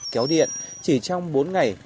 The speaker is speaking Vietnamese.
kéo điện chỉ trong bốn ngày